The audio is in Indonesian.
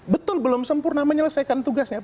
betul belum sempurna menyelesaikan tugasnya